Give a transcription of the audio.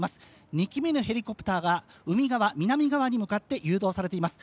２機目のヘリコプターが、海側、南側に向かって誘導されています。